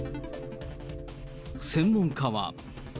専門家は。